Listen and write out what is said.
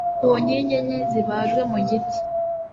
ku nkingi enye zibajwe mu giti